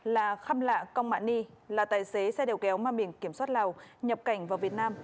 là khăm lạ công mạ ni là tài xế xe đầu kéo mang biển kiểm soát lào nhập cảnh vào việt nam